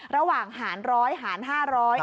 ระหว่างหารร้อยหารห้าร้อย